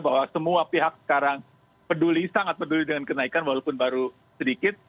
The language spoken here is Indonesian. bahwa semua pihak sekarang peduli sangat peduli dengan kenaikan walaupun baru sedikit